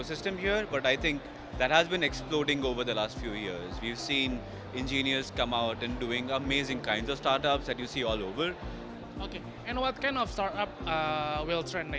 saya yakin itu akan terus meningkatkan sejak tahun tahun